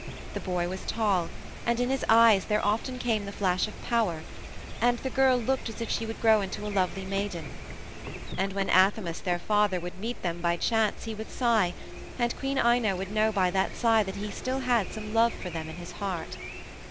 The boy was tall, and in his eyes there often came the flash of power, and the girl looked as if she would grow into a lovely maiden. And when Athamas, their father, would meet them by chance he would sigh, and Queen Ino would know by that sigh that he had still some love for them in his heart.